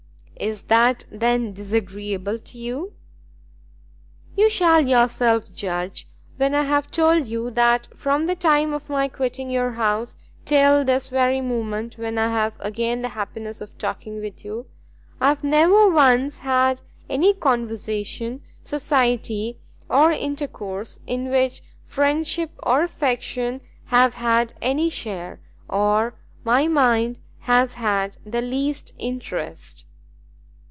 "Is that, then, disagreeable to you?" "You shall yourself judge, when I have told you that from the time of my quitting your house till this very moment, when I have again the happiness of talking with you, I have never once had any conversation, society or intercourse, in which friendship or affection have had any share, or my mind has had the least interest."